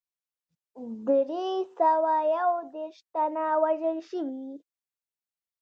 دری سوه یو دېرش تنه وژل شوي.